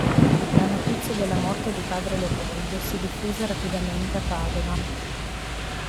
La notizia della morte di padre Leopoldo si diffuse rapidamente a Padova.